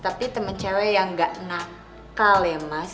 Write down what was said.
tapi temen cewek yang gak nakal ya mas